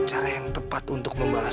cara yang tepat untuk membalas